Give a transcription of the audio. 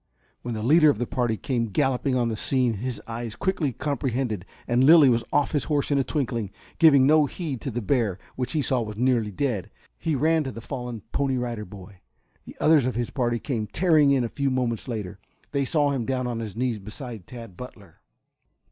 When the leader of the party came galloping on the scene his eyes quickly comprehended, and Lilly was off his horse in a twinkling. Giving no heed to the bear, which he saw was nearly dead, he ran to the fallen Pony Rider Boy. The others of his party came tearing in a few moments later. They saw him down on his knees beside Tad Butler.